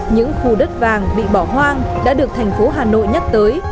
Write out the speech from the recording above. những khu đất vàng bị bỏ hoang đã được thành phố hà nội nhắc tới